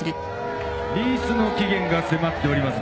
リースの期限が迫っております。